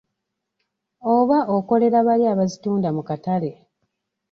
Oba okolera bali abazitunda mu katale?